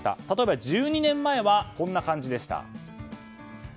例えば１２年前はこんな感じでした。